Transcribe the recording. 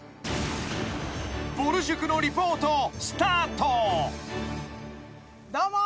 ［ぼる塾のリポート。スタート］どうも。